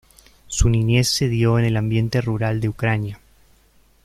Su niñez se dio en el ambiente rural de Ucrania.